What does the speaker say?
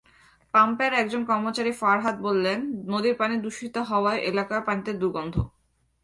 পাম্পের একজন কর্মচারী ফরহাদ বললেন, নদীর পানি দূষিত হওয়ায় এলাকার পানিতে দুর্গন্ধ।